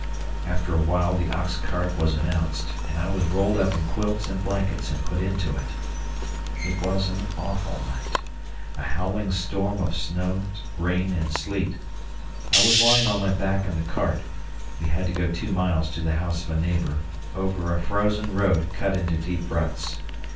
After a while the ox cart was announced, and I was rolled up in quilts and blankets and put into it. It was an awful night a howling storm of snow, rain, and sleet. I was lying on my back in the cart we had to go two miles to the house of a neighbor, over a frozen road cut into deep ruts.